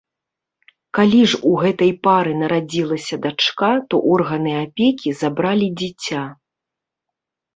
Калі ж у гэтай пары нарадзілася дачка, то органы апекі забралі дзіця.